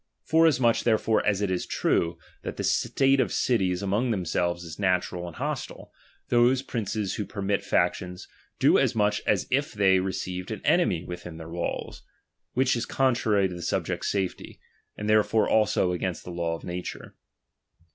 Forasmuch therefore as it is true, that the state of cities among themselves is natural and hostile, those princes who permit factions, do as much as if they received an enemy within tlieir walls: which is contrary to the subjects' safety, and therefore also against the law of nature.